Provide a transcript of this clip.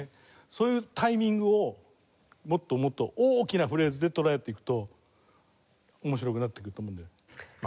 そういうタイミングをもっともっと大きなフレーズで捉えていくと面白くなってくると思うんだよ。